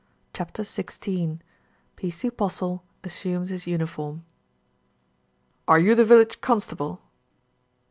CHAPTER XVI P.C. POSTLE ASSUMES HIS UNIFORM ,4 RE you the village constable